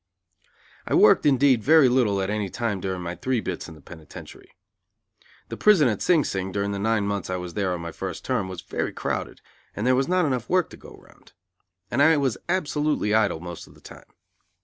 I worked, indeed, very little at any time during my three bits in the penitentiary. The prison at Sing Sing, during the nine months I was there on my first term, was very crowded, and there was not enough work to go round; and I was absolutely idle most of the time.